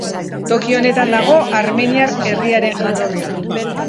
Toki honetan dago armeniar herriaren jatorria.